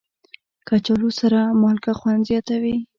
کچالو سره مالګه خوند زیاتوي